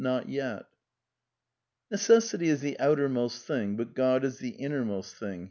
• Not yet. ...'*' (Ihld, he, cit) " Necessity is the outermost thing, but God is the inner most thing."